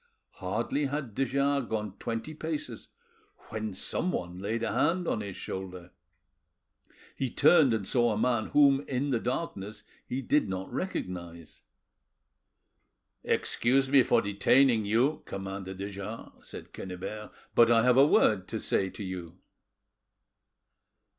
Hardly had de Jars gone twenty paces when someone laid a hand on his shoulder. He turned and saw a man whom, in the darkness, he did not recognise. "Excuse me for detaining you, Commander de Jars," said Quennebert, "but I have a word to say to you."